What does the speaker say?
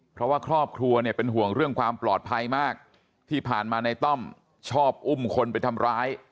เพราะว่าครอบครัวเนี่ยเป็นห่วงเรื่องความปลอดภัยมากที่ผ่านมาในต้อมชอบอุ้มคนไปทำร้าย